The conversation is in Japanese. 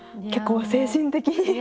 結構精神的に。